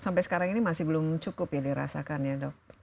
sampai sekarang ini masih belum cukup ya dirasakan ya dok